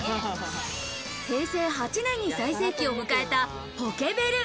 平成８年に最盛期を迎えたポケベル。